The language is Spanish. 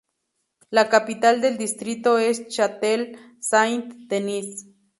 La capital del distrito es Châtel-Saint-Denis.